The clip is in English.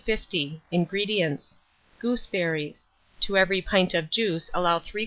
INGREDIENTS. Gooseberries; to every pint of juice allow 3/4 lb.